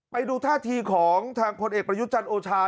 ไปดูท่าทีของทางพลเอกประยุทธ์จันทร์โอชา